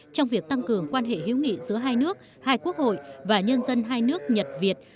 trong việc tăng cường quan hệ hữu nghị giữa hai nước hai quốc hội và nhân dân hai nước nhật việt